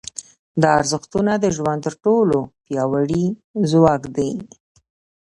دا ارزښتونه د ژوند تر ټولو پیاوړي ځواک دي.